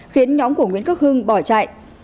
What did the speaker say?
khiến nhóm của nguyễn quốc hưng bỏ chạy